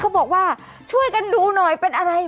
บอกว่าช่วยกันดูหน่อยเป็นอะไร